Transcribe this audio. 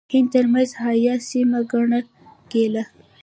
هند ترمنځ حایله سیمه ګڼله کېدله.